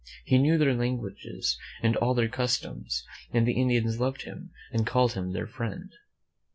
He knew their languages and all their customs, and the Indians loved him and called him their friend.